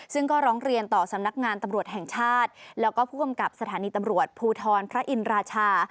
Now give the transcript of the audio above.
ซึ่งก็ร้องเรียนต่อสำนักงานตำรวจแห่งชาติแล้วก็ผู้กำกับสถานีตำรวจภูทรพระอินราชา